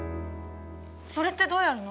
それってどうやるの？